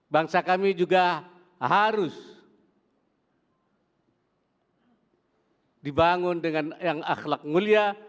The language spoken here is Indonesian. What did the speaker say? bangsa kami juga harus dibangun dengan yang akhlak mulia